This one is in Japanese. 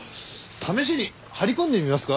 試しに張り込んでみますか？